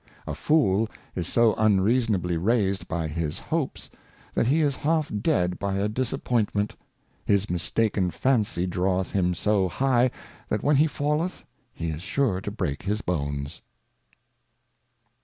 A Fool is so unreasonably raised by his Hopes, that he is half dead by a Disappointment : his mistaken Fancy draweth him so high, that when he falleth, he is sure to break his Bones.